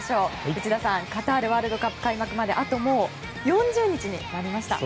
内田さんカタールワールドカップ開幕まであと、４０日になりました。